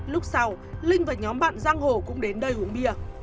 lúc sau linh và nhóm bạn giang hồ cũng đến đây uống bia